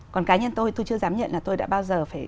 còn cá nhân tôi tôi chưa dám nhận là tôi đã bao giờ phải